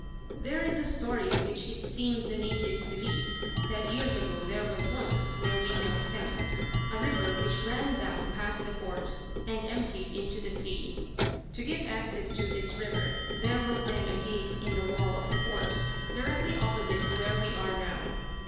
"There is a story which it seems the natives believe, that years ago there was once, where we now stand, a river which ran down past the fort and emptied into the sea. To give access to this river there was then a gate in the wall of the fort, directly opposite where we are now.